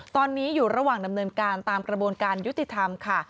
ตอนนี้อยู่ระหว่างดำเนินการตามกระบวนการยุติธรรมค่ะ